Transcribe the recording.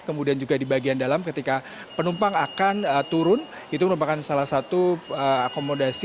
kemudian juga di bagian dalam ketika penumpang akan turun itu merupakan salah satu akomodasi